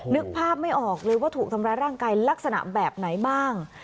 นึกภาพไม่ออกเลยว่าถูกทำร้ายร่างกายลักษณะแบบไหนบ้าง